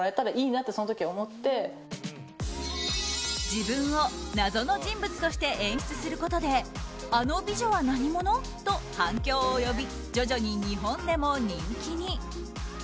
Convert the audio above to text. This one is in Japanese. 自分を謎の人物として演出することであの美女は何者？と反響を呼び徐々に日本でも人気に。